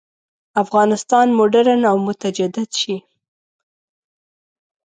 افغانستان مډرن او متجدد شي.